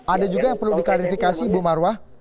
ada juga yang perlu diklarifikasi ibu marwah